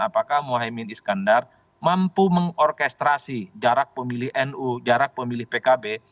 apakah mohaimin iskandar mampu mengorkestrasi jarak pemilih nu jarak pemilih pkb